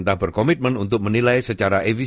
saya berkembang di kultur australia